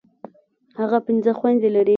هغه پنځه خويندي لري.